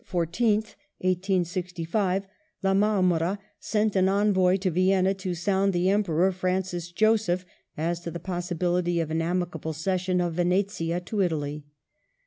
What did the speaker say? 14th, 1865), La Marmora sent an envoy to Vienna to sound the Emperor Francis eloseph as to the possibility of an amicable cession of Venetia to Italy.